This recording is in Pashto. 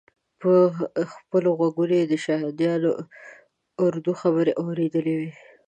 په خپلو غوږو یې د شهادیانو اردو خبرې اورېدلې وې.